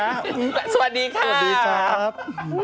สวัสดีค่ะสวัสดีครับสวัสดีครับ